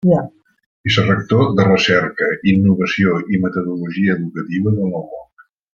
Vicerector de Recerca, Innovació i Metodologia Educativa de la UOC.